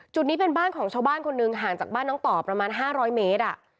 นี้เป็นบ้านของชาวบ้านคนหนึ่งห่างจากบ้านน้องต่อประมาณ๕๐๐เมตร